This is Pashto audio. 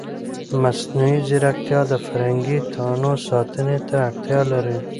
مصنوعي ځیرکتیا د فرهنګي تنوع ساتنې ته اړتیا لري.